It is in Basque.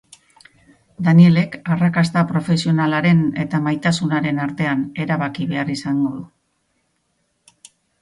Danielek arrakasta profesionalaren eta maitasunaren artean erabaki behar izango du.